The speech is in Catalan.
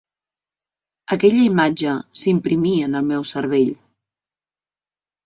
Aquella imatge s'imprimí en el meu cervell.